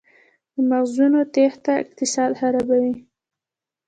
د مغزونو تیښته اقتصاد خرابوي؟